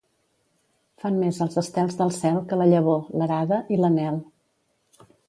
Fan més els estels del cel que la llavor, l'arada i l'anhel.